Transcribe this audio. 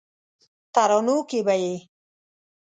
ترانو کې به یې